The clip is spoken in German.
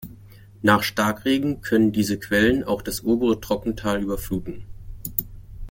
Nach Starkregen können diese Quellen auch das obere Trockental überfluten.